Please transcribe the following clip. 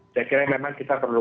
saya kira memang kita perlu